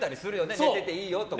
寝てていいよとか。